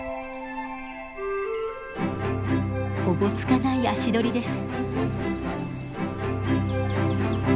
おぼつかない足取りです。